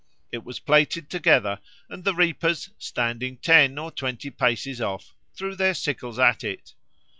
It was plaited together, and the reapers, standing ten or twenty paces off, threw their sickles at it.